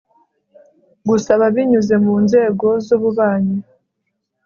gusaba binyuze mu nzego z ububanyi